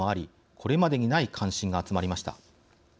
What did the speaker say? これまでにない関心が集まりました。